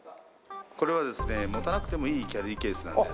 これはですね持たなくてもいいキャリーケースなんです。